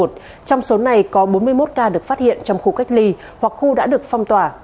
trong số này có bốn mươi một ca được phát hiện trong khu cách ly hoặc khu đã được phong tỏa